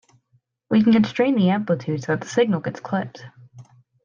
We can constrain the amplitude so that the signal gets clipped.